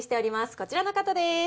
こちらの方です。